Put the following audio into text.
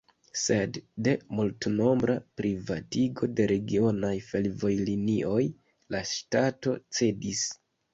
Sed de multnombra privatigo de regionaj fervojlinioj la ŝtato cedis.